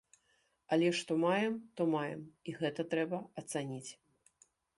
Але што маем, то маем, і гэта трэба ацаніць!